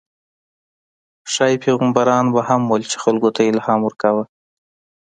ښايي پیغمبران به هم وو، چې خلکو ته یې الهام ورکاوه.